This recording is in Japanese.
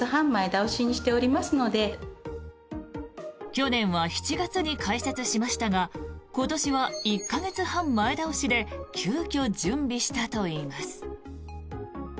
去年は７月に開設しましたが今年は１か月半前倒しで急きょ、準備したといいます。